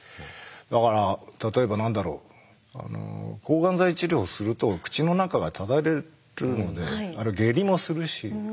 だから例えば何だろう抗がん剤治療をすると口の中がただれるので下痢もするしおう吐もすごい。